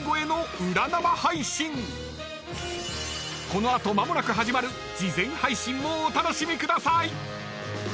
［この後間もなく始まる事前配信もお楽しみください］